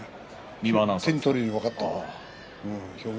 手に取るように分かったわ。